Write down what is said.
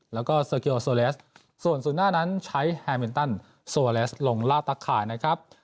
แล้วก็ส่วนสุดหน้านั้นใช้ลงลาตักข่ายนะครับ